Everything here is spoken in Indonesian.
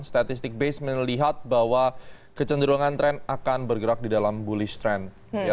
statistik based melihat bahwa kecenderungan tren akan bergerak di dalam bullish trend